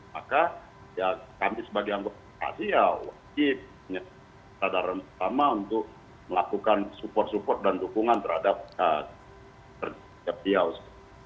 maka kami sebagai anggota fraksi ya wajib punya kesadaran pertama untuk melakukan support support dan dukungan terhadap setiap dpr